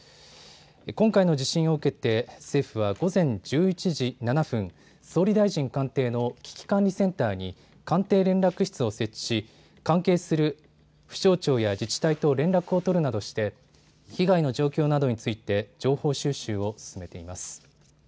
今回の地震を受けて政府は午前１１時７分、総理大臣官邸の危機管理センターに官邸連絡室を設置し関係する府省庁や自治体と連絡を取るなどして被害の状況などについて情報収集を進めています。